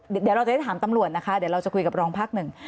เดี๋ยวเราจะได้ถามตำรวจนะคะเดี๋ยวเราจะคุยกับรองภาคหนึ่ง